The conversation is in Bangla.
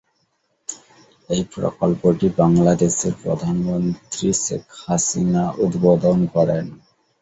এই প্রকল্পটি বাংলাদেশের প্রধানমন্ত্রী শেখ হাসিনা উদ্বোধন করেন।